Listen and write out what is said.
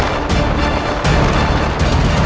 aku akan mencari dia